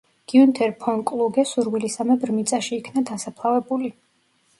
გიუნთერ ფონ კლუგე სურვილისამებრ მიწაში იქნა დასაფლავებული.